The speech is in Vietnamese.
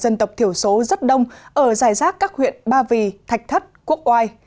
đồng bào dân tộc thiểu số rất đông ở dài rác các huyện ba vì thạch thất quốc oai